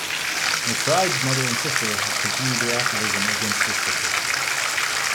McBride's mother and sister have continued their activism against this decision.